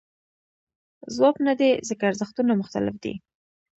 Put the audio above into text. ځواب نه دی ځکه ارزښتونه مختلف دي.